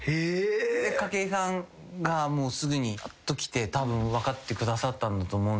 筧さんがもうすぐにきてたぶん分かってくださったんだと思うんですけど。